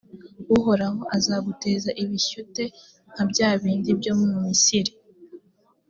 uhoraho azaguteza ibishyute, nka bya bindi byo mu misiri;